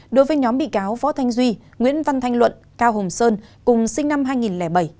đối với nhóm bị cáo võ thanh duy nguyễn văn thanh luận cao hùng sơn cùng sinh năm hai nghìn bảy